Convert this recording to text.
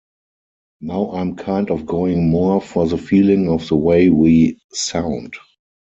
Now I'm kind of going more for the feeling of the way we sound.